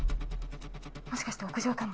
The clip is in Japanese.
もしかして屋上かも。